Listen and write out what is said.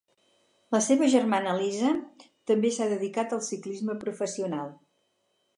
La seva germana Elisa també s'ha dedicat al ciclisme professional.